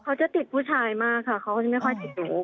เขาจะติดผู้ชายมากค่ะเขาก็จะไม่ค่อยติดหนู